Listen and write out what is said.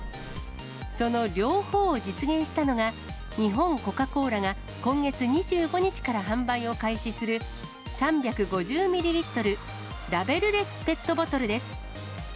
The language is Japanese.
その両方を実現したのが、日本コカ・コーラが今月２５日から販売を開始する、３５０ミリリットルラベルレスペットボトルです。